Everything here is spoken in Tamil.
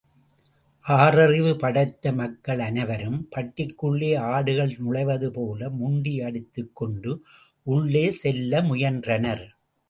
ஆறறிவு படைத்த மக்கள் அனைவரும், பட்டிக்குள்ளே ஆடுகள் நுழைவது போல, முண்டியடித்துக் கொண்டு உள்ளே செல்ல முயன்றனர்.